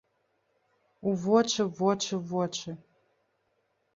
У вочы, вочы, вочы.